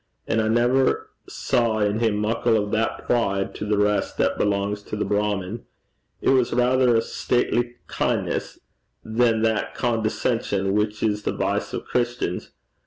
And I never saw in him muckle o' that pride to the lave (rest) that belangs to the Brahmin. It was raither a stately kin'ness than that condescension which is the vice o' Christians.